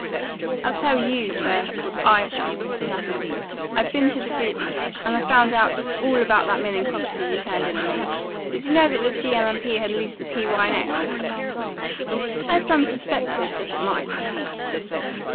"I'll tell you, first, what I've done," said Lapham. "I've been to Dubuque, and I've found out all about that milling property you turned in on me. Did you know that the G. L. & P. had leased the P. Y. & X.?" "I some suspected that it might."